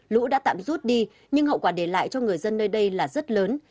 lũ đã tạm rút đi nhưng hậu quả để lại cho người dân nơi đây là rất lớn